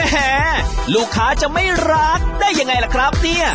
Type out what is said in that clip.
ลูกค้าจะไม่รักได้ยังไงล่ะครับเนี่ย